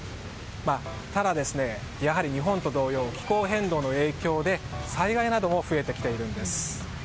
ただ、やはり日本と同様気候変動の影響で災害なども増えてきているんです。